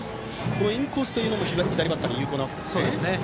このインコースというのも左バッターに有効ですね。